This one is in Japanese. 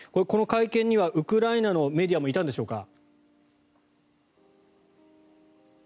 この会見にはウクライナのメディアもいたんでしょうか。